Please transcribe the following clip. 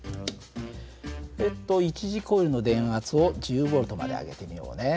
えっと一次コイルの電圧を１０Ｖまで上げてみようね。